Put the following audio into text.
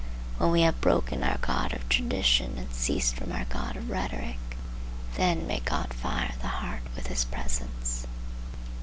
When we have broken our god of tradition and ceased from our god of rhetoric, then may God fire the heart with his presence.